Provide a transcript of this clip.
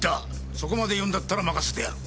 そこまで言うんだったら任せてやる。